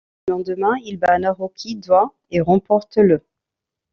Le lendemain, il bat Naruki Doi et remporte le '.